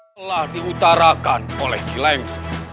telah diutarakan oleh jilang